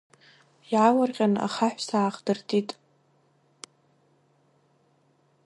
Иаалырҟьаны ахаҳә са аахдыртит.